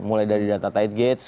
mulai dari data tight gates